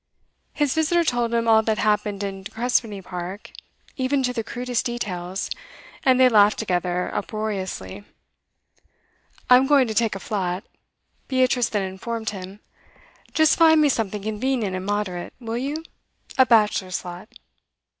His visitor told him all that happened in De Crespigny Park, even to the crudest details, and they laughed together uproariously. 'I'm going to take a flat,' Beatrice then informed him. 'Just find me something convenient and moderate, will you? A bachelor's flat.